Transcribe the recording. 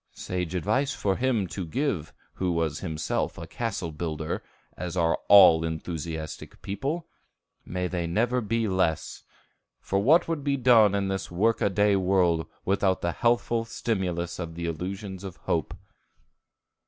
Sage advice for him to give who was himself a castle builder, as are all enthusiastic people, may they never be less; for what would be done in this work a day world without the healthful stimulus of the illusions of hope?